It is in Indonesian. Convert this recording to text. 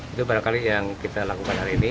itu barangkali yang kita lakukan hari ini